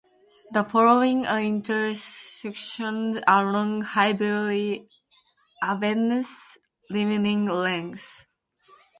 The following are intersections along Highbury Avenue's remaining length.